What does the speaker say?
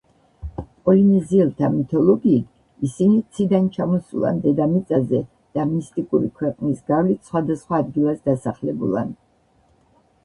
პოლინეზიელთა მითოლოგიით, ისინი ციდან ჩამოსულან დედამიწაზე და მისტიკური ქვეყნის გავლით სხვადასხვა ადგილას დასახლებულან.